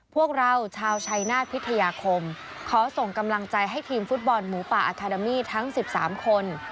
พวกเราชาวชัยนาธิยาคมขอส่งกำลังใจให้ทีมฟุตบอลหมูป่าอาคาเดมี่ทั้ง๑๓คน